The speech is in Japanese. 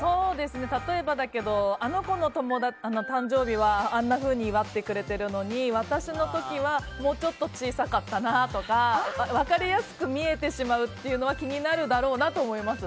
例えば、あの子の誕生日はあんなふうに祝ってくれてるのに私の時はもうちょっと小さかったなとか分かりやすく見えてしまうのは気になるだろうなと思います。